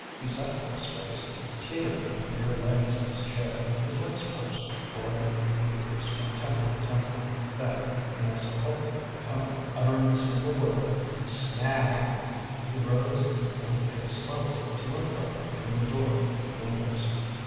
He sat for a space, teetering on the rear legs of his chair, his lips pursed, forehead deeply creased from temple to temple. Then in a sepulchral tone uttering the single word "Snagged!" he rose and began to pace slowly to and fro between the door and the windows.